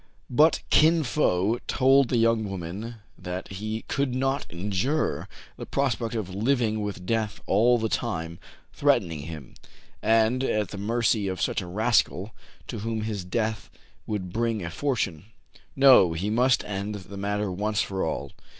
But Kin Fo told the young woman that he could not endure the prospect of living with death all the time threatening him, and at the mercy of such a rascal, to whom his death would bring a fortune. No : he must end the matter once for all.